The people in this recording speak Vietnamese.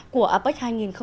của apec hai nghìn một mươi bảy